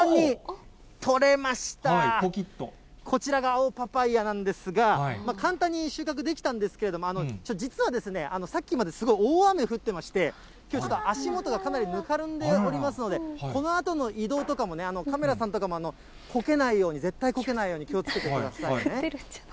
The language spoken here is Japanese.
こちらが青パパイヤなんですが、簡単に収穫できたんですけれども、実はさっきまですごい大雨降ってまして、きょう、ちょっと足元がかなりぬかるんでおりますので、このあとの移動とかもね、カメラさんとかもこけないように、絶対こけないように気をつけてくださいね。